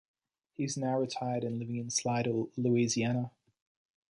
He is now retired and living in Slidell, Louisiana.